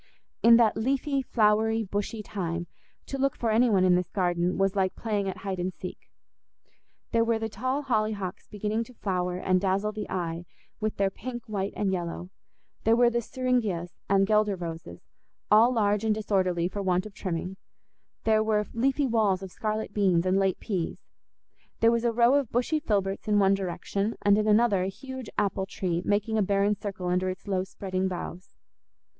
In that leafy, flowery, bushy time, to look for any one in this garden was like playing at "hide and seek." There were the tall hollyhocks beginning to flower and dazzle the eye with their pink, white, and yellow; there were the syringas and Guelder roses, all large and disorderly for want of trimming; there were leafy walls of scarlet beans and late peas; there was a row of bushy filberts in one direction, and in another a huge apple tree making a barren circle under its low spreading boughs.